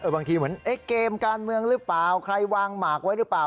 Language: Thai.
บางทีเหมือนเกมการเมืองหรือเปล่าใครวางหมากไว้หรือเปล่า